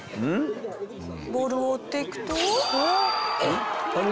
ボールを追っていくと。